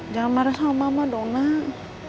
jangan marah sama mama dong nak